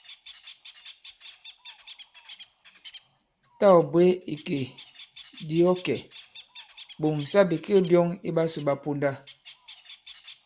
Tâ ɔ̀ bwě ìkè di ɔ kɛ̀, ɓòŋsa bìkek byɔ̄ŋ i ɓasū ɓa ponda.